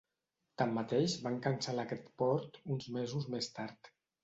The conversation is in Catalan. Tanmateix, van cancel·lar aquest port uns mesos més tard.